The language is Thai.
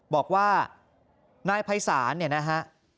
บอกว่านายภัยศาลเนี่ยนะฮะ